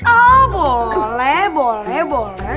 oh boleh boleh boleh